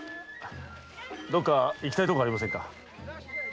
どこか行きたいところはありませんか？